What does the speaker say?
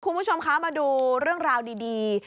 คุณผู้ชมคะมาดูเรื่องราวดี